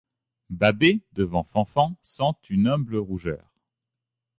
Babet devant Fanfan sent une humble rougeur ;